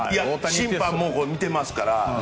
審判も見てますから。